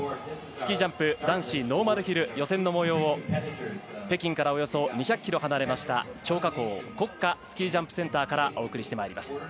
スキージャンプ男子ノーマルヒル予選のもようを北京からおよそ２００ｋｍ離れました張家口国家スキージャンプセンターからお伝えしていきます。